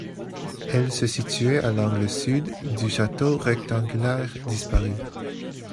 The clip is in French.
Elle se situait à l'angle sud du château rectangulaire disparu.